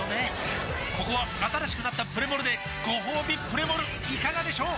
ここは新しくなったプレモルでごほうびプレモルいかがでしょう？